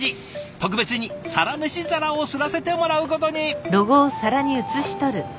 特別に「サラメシ」皿を刷らせてもらうことに。